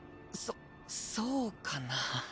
そそうかな？